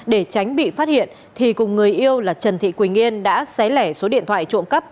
để tránh bị phát hiện thì cùng người yêu là trần thị quỳnh yên đã xé lẻ số điện thoại trộm cắp